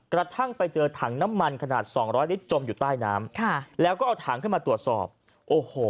กระทั่งไปเจอถังน้ำมันขนาดสองร้อยลิตรจมอยู่ใต้น้ำค่ะแล้วก็เอาถังขึ้นมาตรวจสอบโอ้โห